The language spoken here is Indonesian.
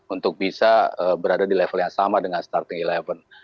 untuk bisa berada di level yang sama dengan starting sebelas